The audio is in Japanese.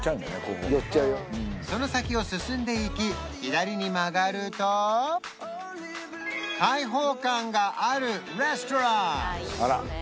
その先を進んでいき左に曲がると開放感があるレストラン